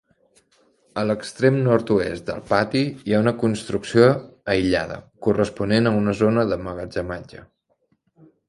A l'extrem nord-oest del pati hi ha una construcció aïllada, corresponent a una zona d'emmagatzematge.